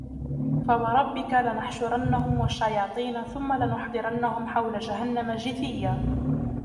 فوربك لنحشرنهم والشياطين ثم لنحضرنهم حول جهنم جثيا